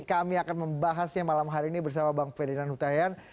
kami akan membahasnya malam hari ini bersama bang ferdinand hutahian